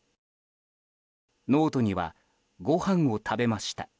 ノートには「ごはんを食べました」